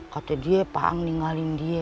katanya dia pang ninggalin dia